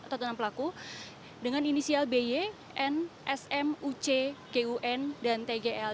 atau enam pelaku dengan inisial by n sm uc kun dan tgl